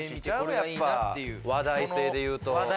やっぱ話題性でいうと。